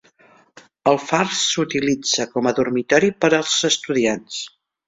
El far s'utilitza com a dormitori per als estudiants.